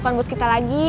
dia udah bercerita lagi